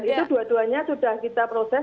dan itu dua duanya sudah kita proses